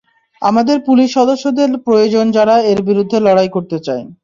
আমাদের পুলিশ সদস্যদের প্রয়োজন যারা এর বিরুদ্ধে লড়াই করতে চায়।